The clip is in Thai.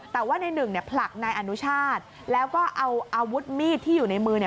แต่ว่านายหนึ่งผลักนายอนุชาติแล้วก็เอาอาวุธมีดที่อยู่ในมือ